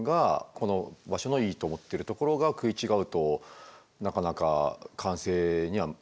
この場所のいいと思ってるところが食い違うとなかなか完成には向かわないのかもしんないよね。